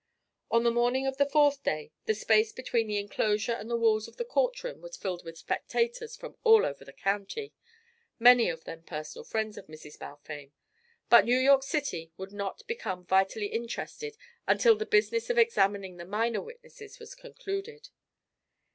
On the morning of the fourth day, the space between the enclosure and the walls of the courtroom was filled with spectators from all over the county, many of them personal friends of Mrs. Balfame; but New York City would not become vitally interested until the business of examining the minor witnesses was concluded.